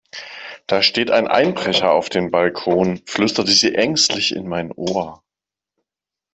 Da steht ein Einbrecher auf dem Balkon, flüsterte sie ängstlich in mein Ohr.